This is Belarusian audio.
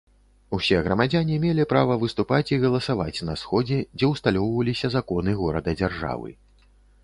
Усе грамадзяне мелі права выступаць і галасаваць на сходзе, дзе ўсталёўваліся законы горада-дзяржавы.